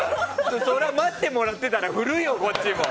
そりゃ待ってもらってたら振るよ、こっちも！